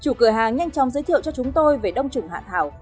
chủ cửa hàng nhanh chóng giới thiệu cho chúng tôi về đông trùng hạ thảo